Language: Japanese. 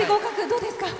どうですか？